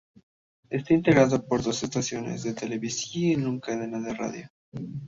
Está integrado por dos estaciones de televisión y una cadena de radio.